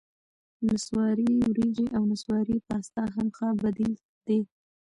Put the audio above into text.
نسواري ورېجې او نسواري پاستا هم ښه بدیل دي.